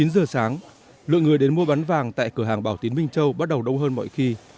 chín giờ sáng lượng người đến mua bán vàng tại cửa hàng bảo tín minh châu bắt đầu đông hơn mọi khi